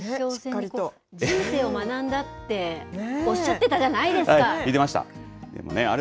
人生を学んだっておっしゃっていた言っていました。